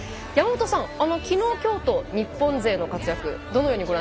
山本さん、きのう、きょうと日本勢の活躍